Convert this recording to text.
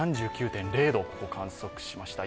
３９．０度を観測しました。